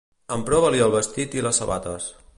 Emprova-li el vestit i les sabates.